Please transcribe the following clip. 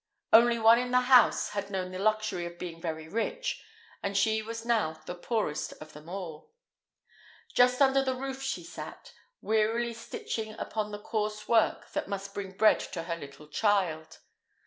Only one in the house had known the luxury of being very rich, and she was now the poorest of them all. Just under the roof she sat, wearily stitching upon the coarse work that must bring bread to her little child.